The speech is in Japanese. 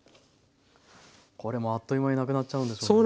これもあっという間になくなっちゃうんでしょうね。